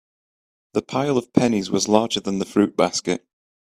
The pile of pennies was larger than the fruit basket.